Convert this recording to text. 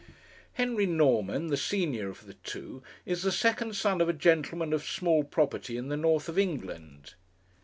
Henry Norman, the senior of the two, is the second son of a gentleman of small property in the north of England.